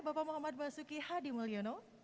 bapak muhammad basuki hadimulyono